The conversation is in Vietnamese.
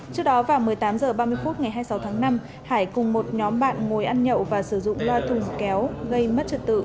trước đó vào một mươi tám h ba mươi phút ngày hai mươi sáu tháng năm hải cùng một nhóm bạn ngồi ăn nhậu và sử dụng loa thùng kéo gây mất trật tự